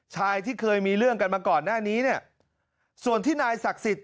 ชายที่เคยมีเรื่องกันมาก่อนหน้านี้เนี่ยส่วนที่นายศักดิ์สิทธิ